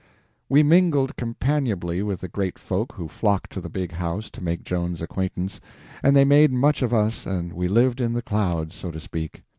We mingled companionably with the great folk who flocked to the big house to make Joan's acquaintance, and they made much of us and we lived in the clouds, so to speak.